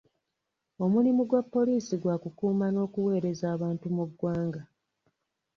Omulimu gwa poliisi gwa kukuuma n'okuweereza abantu mu ggwanga.